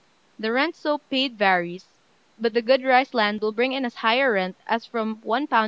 The rent so paid varies; but good rice land will bring in as high a rent as from £1 18s.